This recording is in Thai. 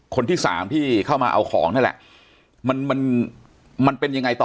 คนที่สามที่เข้ามาเอาของนั่นแหละมันมันมันเป็นยังไงต่อ